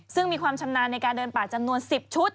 ซึ่งมีความชำนาญในการเดินป่าจำนวน๑๐ชุด